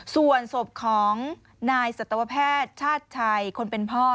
ส่วนศพของนายสัตวแพทย์ชาติชัยคนเป็นพ่อ